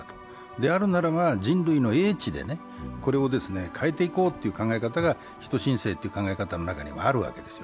であるならば人類の英知でこれを変えていこうという考え方が人新世という考え方の中にはあるわけですよ。